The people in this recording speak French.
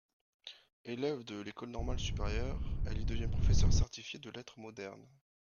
Élève de l'École Normale Supérieure, elle y devient Professeur certifié de lettres modernes.